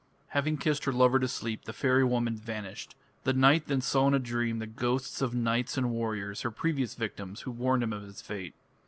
Having kissed her lover to sleep, the fairy woman vanished. The "knight" then saw in a dream the ghosts of knights and warriors, her previous victims, who warned him of his fate.